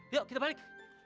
yuk kita balik